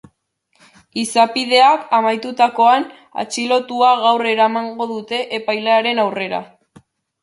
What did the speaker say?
Izapideak amaitutakoan, atxilotua gaur eramango dute epailearen aurrera.